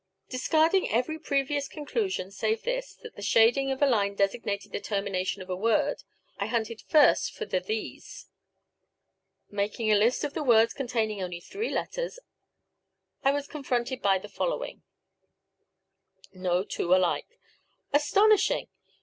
Discarding every previous conclusion save this, that the shading of a line designated the termination of a word, I hunted first for the thes. Making a list of the words containing only three letters, I was confronted by the following: V []< )L )C C < L > ^V L V. < C ^V. .>.[]) )L. .V ).C L. .<.[] )7 ^V C 7 )L.L > No two alike. Astonishing!